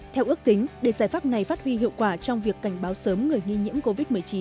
theo ước tính để giải pháp này phát huy hiệu quả trong việc cảnh báo sớm người nghi nhiễm covid một mươi chín